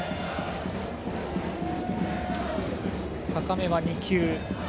高めは２球。